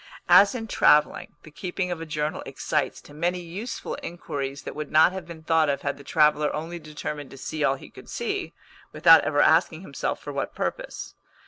As in travelling, the keeping of a journal excites to many useful inquiries that would not have been thought of had the traveller only determined to see all he could see, without ever asking himself for what purpose.